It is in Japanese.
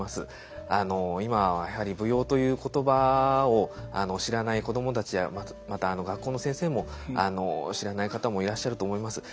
今はやはり「舞踊」という言葉を知らない子供たちやまた学校の先生も知らない方もいらっしゃると思います。